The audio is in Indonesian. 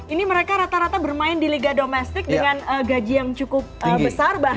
ini mereka rata rata bermain di liga domestik dengan gaji yang cukup besar